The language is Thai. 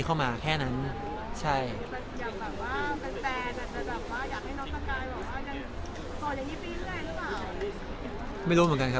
อยากเป็นแฟนแต่อยากให้น้องสกายกลอนอีก๒๐ปีนึงดีหรือเปล่า